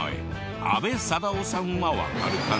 阿部サダヲさんはわかるかな？